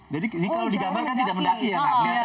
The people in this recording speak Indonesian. jadi kalau digambarkan tidak mendaki ya